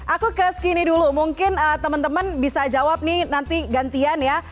aku ke skinny dulu mungkin teman teman bisa jawab nih nanti gantian ya